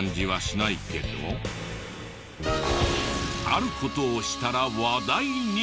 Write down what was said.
ある事をしたら話題に！